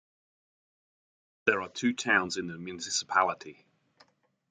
There are two towns in the municipality.